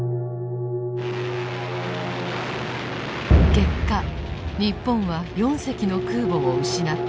結果日本は４隻の空母を失って敗北。